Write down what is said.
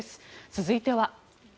続いては。